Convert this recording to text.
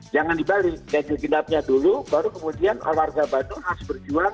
jangan dibalik ganjil genapnya dulu baru kemudian warga bandung harus berjualan